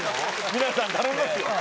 皆さん頼みますよ。